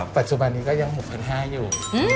ปัจจุบันนี้ก็ยัง๖๕๐๐อยู่